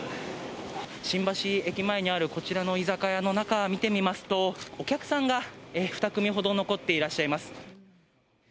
新橋駅前にある、こちらの居酒屋の中見てみますと、お客さんが２組ほど残っていらっしゃいます。